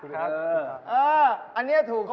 ครับอันนี้ถูก